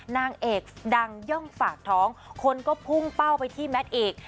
นางเอกดังย่องฝากท้องคนก็พุ่งเป้าไปที่แมทอีก